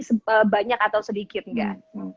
sebanyak atau sedikit gak